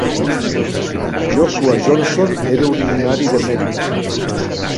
Joshua Johnson era originari de Maryland.